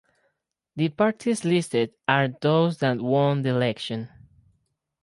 The parties listed are those that won the election.